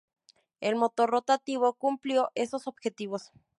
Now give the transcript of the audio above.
El motor rotativo cumplió esos objetivos.